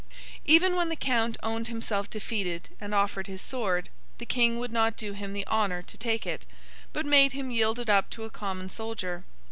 Even when the Count owned himself defeated and offered his sword, the King would not do him the honour to take it, but made him yield it up to a common soldier.